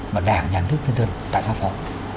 mà đảm nhận nước dân dân tại nga phòng